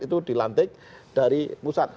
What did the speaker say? itu dilantik dari pusat